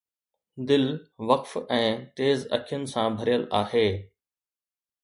دل وقف ۽ تيز اکين سان ڀريل آهي